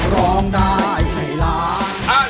ร้องได้ให้ล้าน